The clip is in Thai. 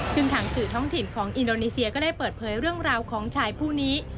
ซึ่งทางสื่อท้องถิ่นของอินโดนีเซียก็ได้เปิดเผยเรื่องราวของชายผู้นี้